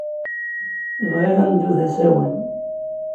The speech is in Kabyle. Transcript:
Bɣiɣ ad neddu d asawen.